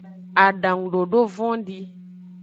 Adangudodo vondi.